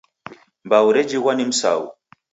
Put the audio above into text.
Mbau rejighwa ni msaghu